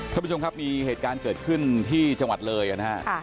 ท่านผู้ชมครับมีเหตุการณ์เกิดขึ้นที่จังหวัดเลยนะฮะ